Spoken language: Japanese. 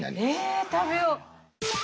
え食べよう。